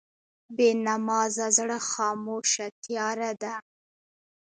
بېنمازه زړه خاموشه تیاره ده.